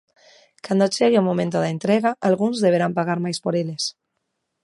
Cando chegue o momento da entrega, algúns deberán pagar máis por eles.